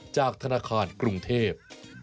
จากธนาคารกรุงเทพ